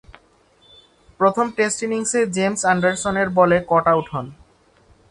প্রথম টেস্ট ইনিংসে জেমস অ্যান্ডারসনের বলে কট আউট হন।